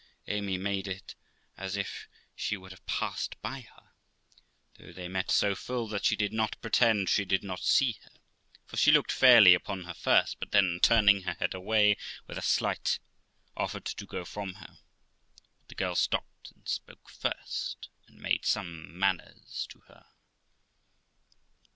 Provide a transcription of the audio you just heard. Amy made as if she would have passed by her, though they met so full that she did not pretend she did not see her, for she looked fairly upon her first, but then turning her head away with a slight, offered to go from her; but the girl stopped, and spoke first, and made some manners to her.